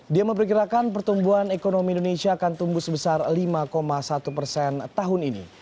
dia memperkirakan pertumbuhan ekonomi indonesia akan tumbuh sebesar lima satu persen tahun ini